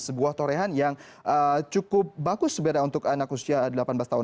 sebuah torehan yang cukup bagus sebenarnya untuk anak usia delapan belas tahun